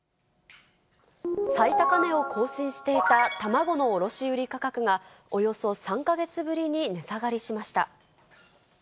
最高値を更新していた卵の卸売り価格が、およそ３か月ぶりに値下がりしました。